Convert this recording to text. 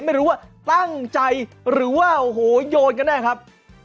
ไม่รู้ว่าตั้งใจหรือว่าโอ้โหโยนกันแน่ครับ